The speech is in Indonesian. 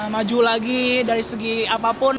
maju lagi dari segi apapun